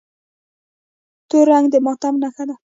تور رنګ د ماتم نښه ده.